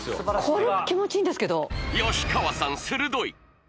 これ気持ちいいんですけど吉川さん鋭い！